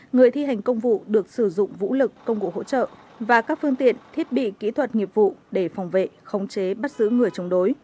người thi hành công vụ được sử dụng vũ lực công cụ hỗ trợ và các phương tiện thiết bị kỹ thuật nghiệp vụ để phòng vệ khống chế bắt giữ người chống đối